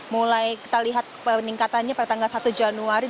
mulai kita lihat peningkatannya pada tanggal satu januari